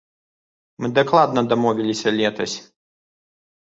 Мы дакладна дамовіліся летась.